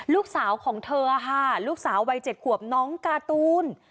ลูกสาวของเธอลูกสาววัยเจ็ดขวบน้องการ์ตูณ